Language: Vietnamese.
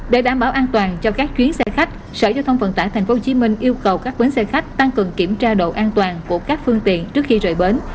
để đảm bảo an toàn cho các chuyến xe khách sở giao thông vận tải tp hcm yêu cầu các bến xe khách tăng cường kiểm tra độ an toàn của các phương tiện trước khi rời bến